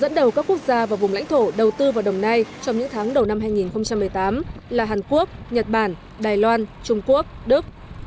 dẫn đầu các quốc gia và vùng lãnh thổ đầu tư vào đồng nai trong những tháng đầu năm hai nghìn một mươi tám là hàn quốc nhật bản đài loan trung quốc đức